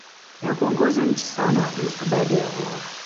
ya kuongoza nchi sawa na Wakristo baada ya uhuru